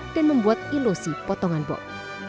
dan membuat ilusi potongan bob